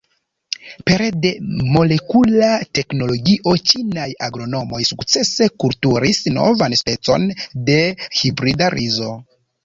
Pere de molekula teknologio ĉinaj agronomoj sukcese kulturis novan specon de hibrida rizo.